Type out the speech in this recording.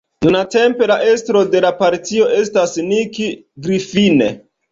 Nuntempe la estro de la partio estas Nick Griffin.